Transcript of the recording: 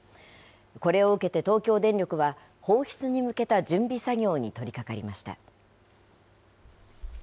これを受けて東京電力は、放出に向けた準備作業に取りかかりました。